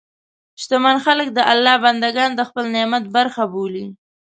شتمن خلک د الله بندهګان د خپل نعمت برخه بولي.